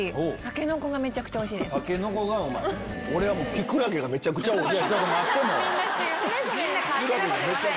キクラゲめちゃくちゃおいしい！